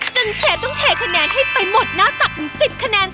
เชฟต้องเทคะแนนให้ไปหมดหน้าตักถึง๑๐คะแนน